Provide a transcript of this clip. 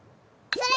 それ！